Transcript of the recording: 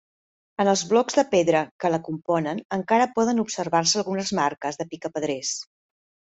En els blocs de pedra que la componen encara poden observar-se algunes marques de picapedrers.